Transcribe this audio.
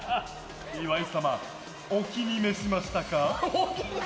岩井様、お気に召しましたか？